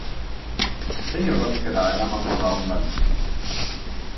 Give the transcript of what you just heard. Zein orrazkera eramango da udan?